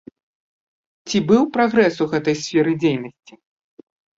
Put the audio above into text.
Ці быў прагрэс ў гэтай сферы дзейнасці?